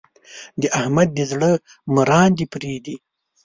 د احمد د زړه مراندې پرې دي.